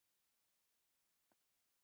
زموږ ادرس دي وي معلوم کنه ورکیږو